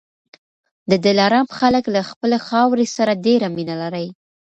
د دلارام خلک له خپلي خاورې سره ډېره مینه لري